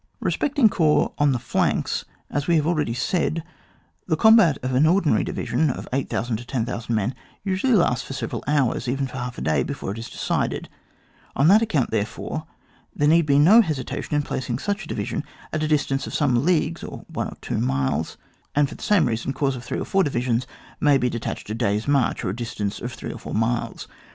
Bespecting corps on the fianks, as we have cdready said, the combat of an or dinary division of 8000 to 10,000 men usually lasts for several hours, even for half a day before it is decided; on that account, therefore, there need be no hesitation in placing such a division at a distance of some leagues or one or two miles, and for the same reason, corps of three or four divisions may be detached a day's march or a distance of three or four miles.